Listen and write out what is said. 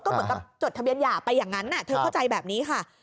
เหมือนกับจดทะเบียนหย่าไปอย่างนั้นเธอเข้าใจแบบนี้ค่ะ